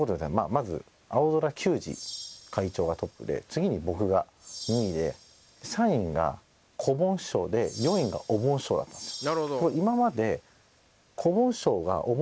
まず青空球児会長がトップで次に僕が２位で３位がこぼん師匠で４位がおぼん師匠だったんですよ